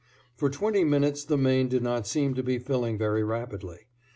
For twenty minutes the Maine did not seem to be filling very rapidly.